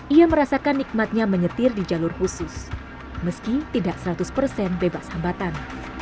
ia merasakan nikmatnya menyetir di jalur khusus meski tidak seratus persen bebas hambatan